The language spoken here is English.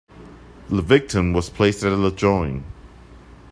The victim was placed at the join.